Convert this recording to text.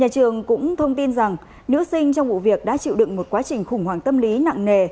nhà trường cũng thông tin rằng nữ sinh trong vụ việc đã chịu đựng một quá trình khủng hoảng tâm lý nặng nề